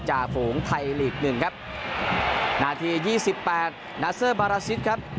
ฝูงไทยลีกหนึ่งครับนาทียี่สิบแปดนาเซอร์บาราซิสครับ